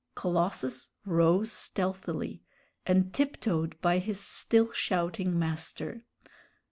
Colossus rose stealthily, and tiptoed by his still shouting master.